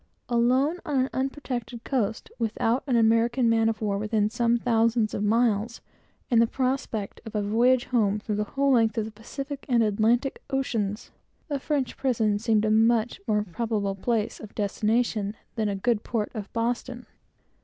Alone, on an unprotected coast, without an American man of war within some thousands of miles, and the prospect of a voyage home through the whole length of the Pacific and Atlantic oceans! A French prison seemed a much more probable place of destination than the good port of Boston.